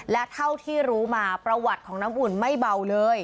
และเท่าที่รู้มาประวัติของน้ำอุ่นไม่เบาเลย